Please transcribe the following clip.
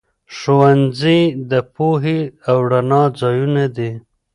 ښوونځي د پوهې او رڼا ځايونه دي.